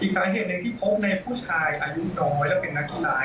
สาเหตุหนึ่งที่พบในผู้ชายอายุน้อยและเป็นนักกีฬา